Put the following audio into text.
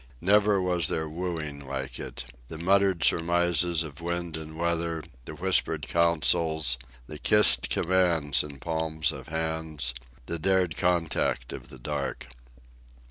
Never was there wooing like it—the muttered surmises of wind and weather, the whispered councils, the kissed commands in palms of hands, the dared contacts of the dark.